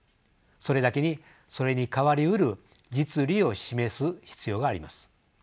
それだけにそれに代わりうる実利を示す必要があります。